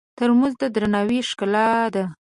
ترموز د درناوي ښکلا ده.